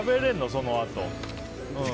そのあと。